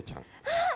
あっ！